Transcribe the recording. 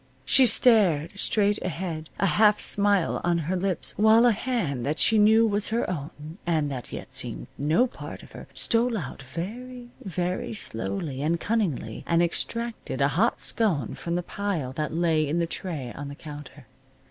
She stared straight ahead, a half smile on her lips, while a hand that she knew was her own, and that yet seemed no part of her, stole out, very, very slowly, and cunningly, and extracted a hot scone from the pile that lay in the tray on the counter.